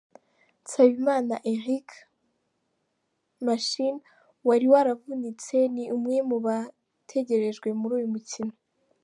Nsabimana Eric “Machine” wari wavunitse, ni umwe mu bategerejwe muri uyu mukino.